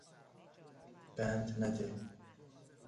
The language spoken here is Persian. بند نده